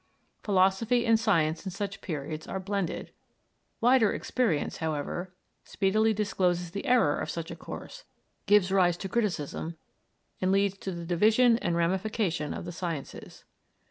Philosophy and science in such periods are blended. Wider experience, however, speedily discloses the error of such a course, gives rise to criticism, and leads to the division and ramification of the sciences.